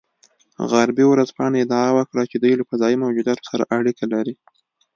غربي ورځپاڼو ادعا وکړه چې دوی له فضايي موجوداتو سره اړیکه لري